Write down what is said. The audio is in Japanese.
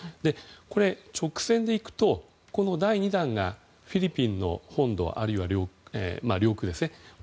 これ、直線でいくと第２段がフィリピンの本土あるいは領域